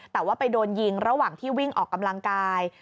แต่ว่าไปโดนยิงระหว่างที่วิ่งออกกำลังกาย